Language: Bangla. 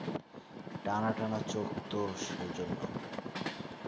টানাটানা চোখ তো, সে জন্যে।